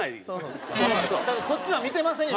だからこっちは見てませんよ。